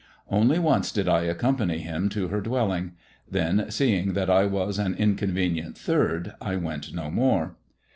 Only once did I accompany him to her dwelling ; then, seeing that I was an inconvenient third, I went no more.